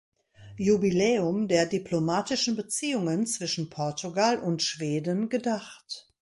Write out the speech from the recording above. Jubiläum der diplomatischen Beziehungen zwischen Portugal und Schweden gedacht.